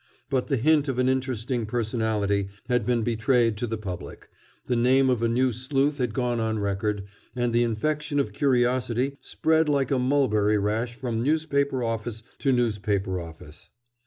But the hint of an interesting personality had been betrayed to the public, the name of a new sleuth had gone on record, and the infection of curiosity spread like a mulberry rash from newspaper office to newspaper office.